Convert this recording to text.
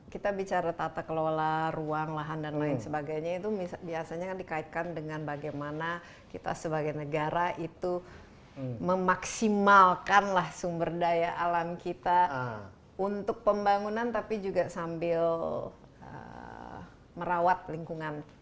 kita bicara tata kelola ruang lahan dan lain sebagainya itu biasanya kan dikaitkan dengan bagaimana kita sebagai negara itu memaksimalkanlah sumber daya alam kita untuk pembangunan tapi juga sambil merawat lingkungan